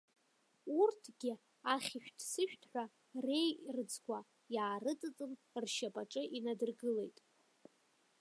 Урҭгьы ахьышәҭ-сышәҭҳәа реирыӡқәа иаарыҵыҵын, ршьапаҿы инадыргылеит.